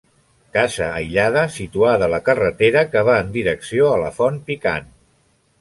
Casa aïllada, situada a la carretera que va en direcció a la Font Picant.